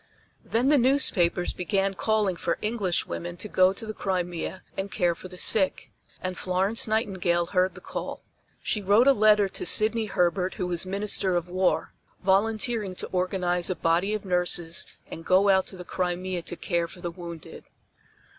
Then the newspapers began calling for English women to go to the Crimea and care for the sick, and Florence Nightingale heard the call. She wrote a letter to Sydney Herbert who was Minister of War, volunteering to organize a body of nurses and go out to the Crimea to care for the wounded.